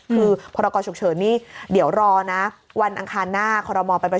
คือพรกรฉุกเฉินนี่เดี๋ยวรอนะวันอังคารหน้าคอรมอลไป